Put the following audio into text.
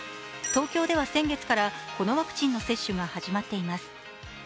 東京では先月からこのワクチンの接種が始まっています。